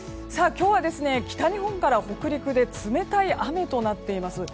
今日は北日本から北陸で冷たい雨となっています。